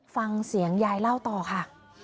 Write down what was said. ฟังเสียงยายเล่าต่อค่ะ